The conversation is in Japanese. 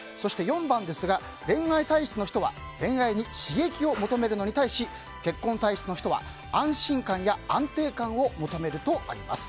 そして、恋愛体質の人は恋愛に刺激を求めるのに対し結婚体質の人は安心感や安定感を求めるとあります。